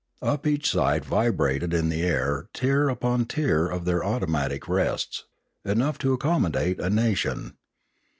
Up each side vibrated in the air tier upon tier of their automatic rests, enough to accommodate a nation.